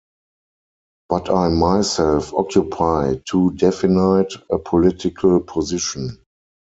But I myself occupy too definite a political position.